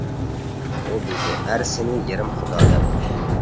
ئۇ بىلدى ئەر سېنى يېرىم خۇدا دەپ.